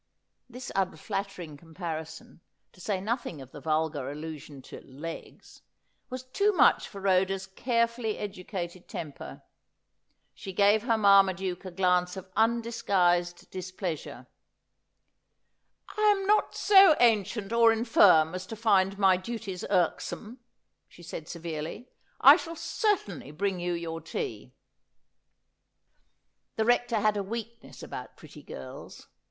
"This unflattering comparison, to say nothing of the vulgar allusion to ' legs,' was too much for Rhoda's carefully educated temper. She gave her Marmaduke a glance of undisguised dis pleasure. ' I am not so ancient or infirm as to find my duties irksome ' she said severely ;' I shall certainly bring you your tea.' '• J^ove mafcetn ail to gone ivitsway. 1 1 The Kector had a weakness about pretty girls.